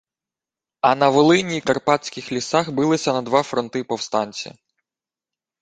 А на Волині й в карпатських лісах билися на два фронти повстанці.